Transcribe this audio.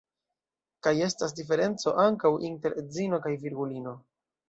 Kaj estas diferenco ankaŭ inter edzino kaj virgulino.